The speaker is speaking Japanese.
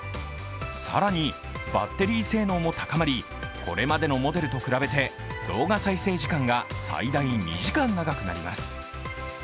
更にバッテリー性能も高まりこれまでのモデルと比べて動画再生時間が最大２時間長くなります。